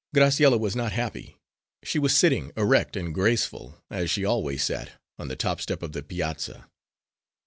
Graciella was not happy. She was sitting, erect and graceful, as she always sat, on the top step of the piazza.